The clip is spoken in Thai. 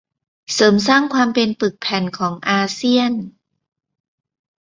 เสริมสร้างความเป็นปึกแผ่นของอาเซียน